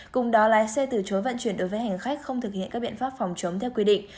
cùng đó lái xe từ chối vận chuyển đối với hành khách không thực hiện các biện pháp phòng chống theo quy định